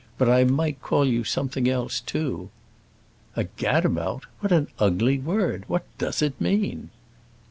"But I might call you something else, too." "A gad about? What an ugly word! What does it mean?"